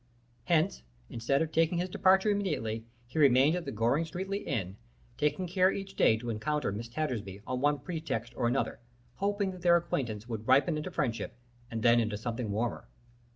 Hence, instead of taking his departure immediately, he remained at the Goring Streatley Inn, taking care each day to encounter Miss Tattersby on one pretext or another, hoping that their acquaintance would ripen into friendship, and then into something warmer.